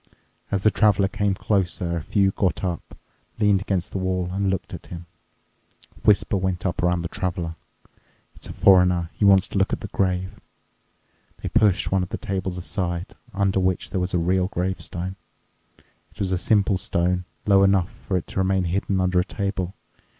As the Traveler came closer, a few got up, leaned against the wall, and looked at him. A whisper went up around the Traveler—"It's a foreigner. He wants to look at the grave." They pushed one of the tables aside, under which there was a real grave stone. It was a simple stone, low enough for it to remain hidden under a table.